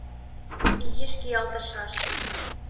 Изиш киялтышаш.